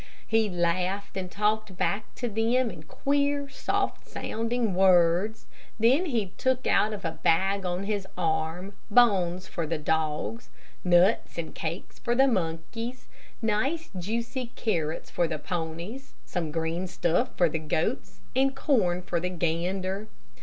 He laughed and talked back to them in queer, soft sounding words. Then he took out of a bag on his arm, bones for the dogs, nuts and cakes for the monkeys, nice, juicy carrots for the ponies, some green stuff for the goats, and corn for the gander.